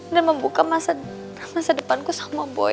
dan membuka masa depanku sama boy